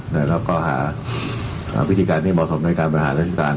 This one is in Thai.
แล้วก็หาวิธีการที่เหมาะสมในการบริหารราชการ